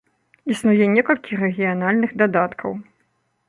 Існуе некалькі рэгіянальных дадаткаў.